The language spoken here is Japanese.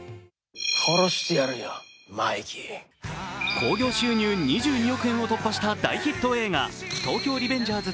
興行収入２２億円を突破した大ヒット映画「東京リベンジャーズ